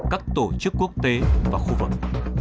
các tổ chức quốc tế và khu vực